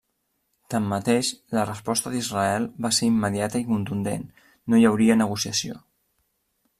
Tanmateix, la resposta d'Israel va ser immediata i contundent: no hi hauria negociació.